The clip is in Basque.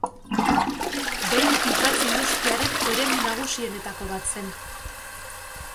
Behin ikatz industriaren eremu nagusienetako bat zen.